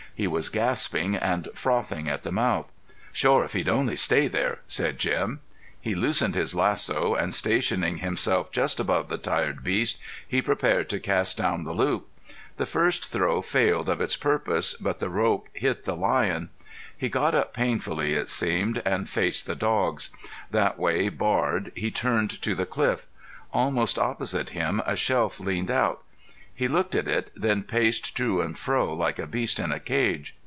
He was gasping and frothing at the mouth. "Shore if he'd only stay there " said Jim. He loosened his lasso, and stationing himself just above the tired beast he prepared to cast down the loop. The first throw failed of its purpose, but the rope hit the lion. He got up painfully it seemed, and faced the dogs. That way barred he turned to the cliff. Almost opposite him a shelf leaned out. He looked at it, then paced to and fro like a beast in a cage.